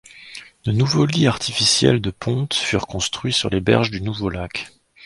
De nouveaux lits artificiels de ponte furent construits sur les berges du nouveau lac.